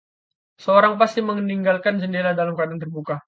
Seseorang pasti meninggalkan jendela dalam keadaan terbuka.